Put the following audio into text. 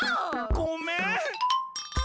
ごめん。